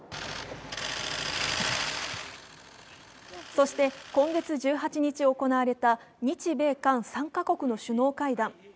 そして、今月１８日に行われた日米韓３か国の首脳会談。